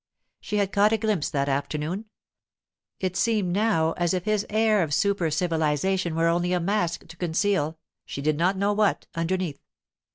She had caught a glimpse that afternoon. It seemed now as if his air of super civilization were only a mask to conceal—she did not know what, underneath.